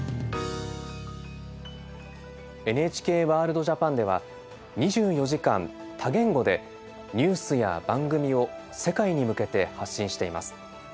「ＮＨＫワールドＪＡＰＡＮ」では２４時間多言語でニュースや番組を世界に向けて発信しています。